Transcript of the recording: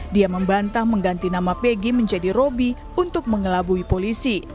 dia membantah mengganti nama peggy menjadi roby untuk mengelabui polisi